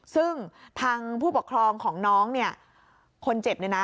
ซึ่งทางผู้ปกครองของน้องเนี่ยคนเจ็บเนี่ยนะ